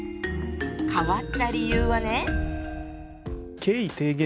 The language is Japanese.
変わった理由はね。